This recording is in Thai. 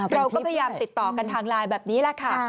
เราก็พยายามติดต่อกันทางไลน์แบบนี้แหละค่ะ